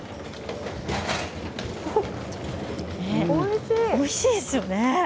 おいしいですよね。